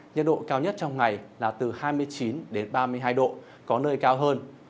nhiệt độ cao nhất trong ngày là từ hai mươi chín đến ba mươi hai độ có nơi cao hơn